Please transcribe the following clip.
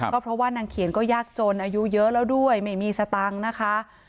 ก็เพราะว่านางเขียนก็ยากจนอายุเยอะแล้วด้วยไม่มีสตังค์นะคะ